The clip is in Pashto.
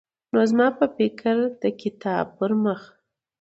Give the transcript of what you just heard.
نو زما په فکر چې د کتاب پرمخ